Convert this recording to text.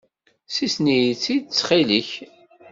Ssisen-iyi-tt-id ttxil-k.